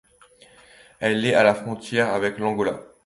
Elle est à la frontière avec l'Angola.